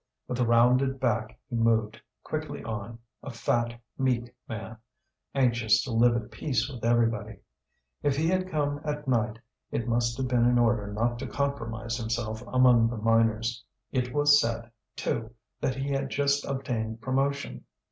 With rounded back he moved quickly on, a fat meek man, anxious to live at peace with everybody. If he had come at night it must have been in order not to compromise himself among the miners. It was said, too, that he had just obtained promotion.